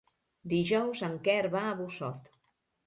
Dijous en Quer va a Busot.